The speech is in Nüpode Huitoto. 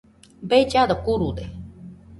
Bellado kurude